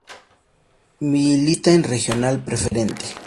Milita en Regional Preferente.